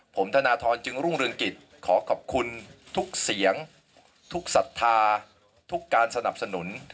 ผมธนทรจึงรุ่งเรืองกิจขอขอบคุณทุกเสียงทุกศรัทธาทุกการสนับสนุน